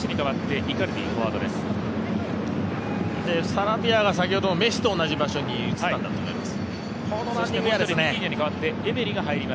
サラビアが先ほどのメッシと同じ場所に移ったんだと思います。